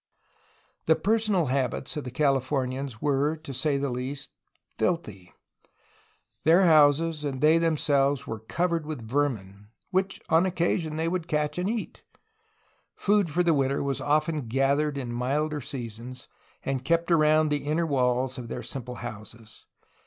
The personal habits of the Californians were, to say the least, filthy. Their houses and they themselves were cov ered with vermin — ^which on occasion they would catch and eat ! Food for the winter was often gathered in milder sea sons and kept around the inner walls of their simple houses.